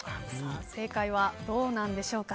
正解はどうなんでしょうか。